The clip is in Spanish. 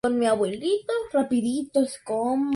La inflorescencia es una amplia gama de cabezas de flores.